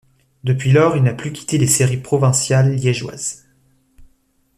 Depuis lors, il n'a plus quitté les séries provinciales liégeoises.